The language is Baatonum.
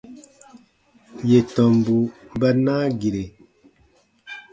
Yè tɔmbu ba naa gire.